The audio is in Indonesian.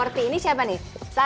ketiga ini berapa years ya